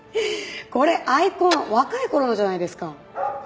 これアイコン若い頃のじゃないですか。